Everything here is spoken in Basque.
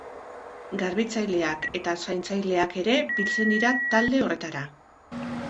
Garbitzaileak eta zaintzaileak ere biltzen dira talde horretara.